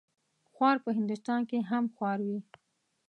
خوار په هندوستان هم خوار وي.